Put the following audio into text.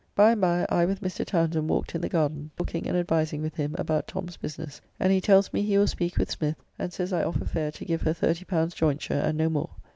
By and by, I with Mr. Townsend walked in the garden, talking and advising with him about Tom's business, and he tells me he will speak with Smith, and says I offer fair to give her L30 joynture and no more.